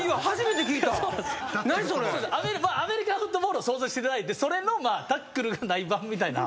アメリカンフットボールを想像していただいてそれのタックルがない版みたいな。